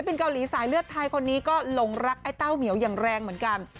เป็นเกาหลีสายเลือดไทยคนนี้ก็หลงรักไอ้เต้าเหมียวอย่างแรงเหมือนกัน